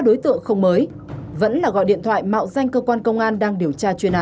chị nghĩ là trang trình thống của bộ công an đúng không ạ